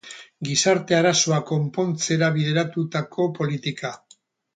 Gizarte arazoak konpontzera bideratutako politika.